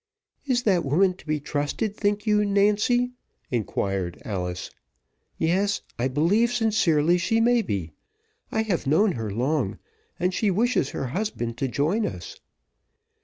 "Is that woman to be trusted, think you, Nancy?" inquired Alice. "Yes, I believe sincerely she may be. I have known her long; and she wishes her husband to join us."